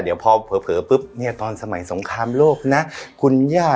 เดี๋ยวพอเผลอปุ๊บเนี่ยตอนสมัยสงครามโลกนะคุณย่า